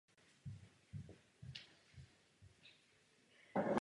Přes řeku Inn sousedí s Rakouskem.